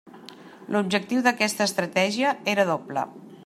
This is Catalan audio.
L'objectiu d'aquesta estratègia era doble.